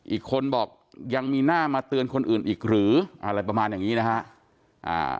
อีกคนบอกยังมีหน้ามาเตือนคนอื่นอีกหรืออะไรประมาณอย่างนี้นะฮะ